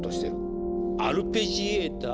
アルペジエーター？